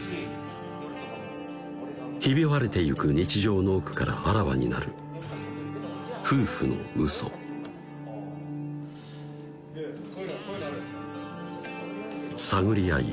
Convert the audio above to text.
ひび割れてゆく日常の奥からあらわになる夫婦のうそ探り合い